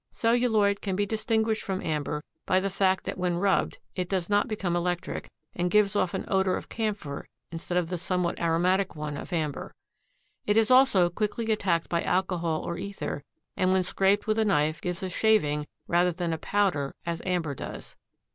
Celluloid can be distinguished from amber by the fact that when rubbed it does not become electric and gives off an odor of camphor instead of the somewhat aromatic one of amber. It is also quickly attacked by alcohol or ether, and when scraped with a knife gives a shaving rather than a powder as amber does.